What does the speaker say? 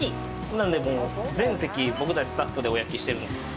なので全席、僕たちスタッフでお焼きしてるんですよ。